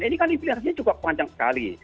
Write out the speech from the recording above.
ini kan implikasinya cukup panjang sekali